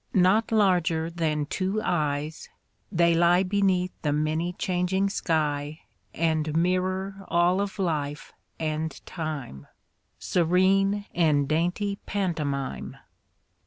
Not larger than two eyes, they lie Beneath the many changing sky And mirror all of life and time, Serene and dainty pantomime.